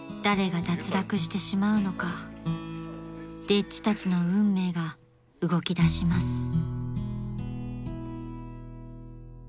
［誰が脱落してしまうのか丁稚たちの運命が動きだします］